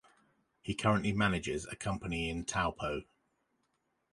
He currently manages a company in Taupo.